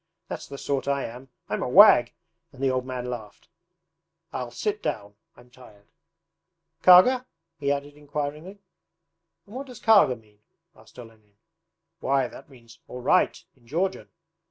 That's the sort I am! I'm a wag!' and the old man laughed. 'I'll sit down. I'm tired. Karga?' he added inquiringly. 'And what does "Karga" mean?' asked Olenin. 'Why, that means "All right" in Georgian.